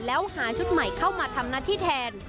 แล้วหาชุดใหม่เข้ามาทำหน้าที่แทน